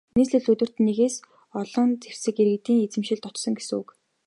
Нийслэлд өдөрт нэгээс олон зэвсэг иргэдийн эзэмшилд очсон гэсэн үг.